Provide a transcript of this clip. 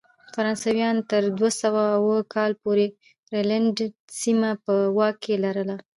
فرانسویانو تر دوه سوه اووه کال پورې راینلنډ سیمه په واک کې لرله.